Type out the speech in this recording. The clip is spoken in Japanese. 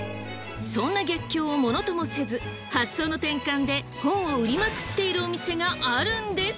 そんな逆境を物ともせず発想の転換で本を売りまくっているお店があるんです！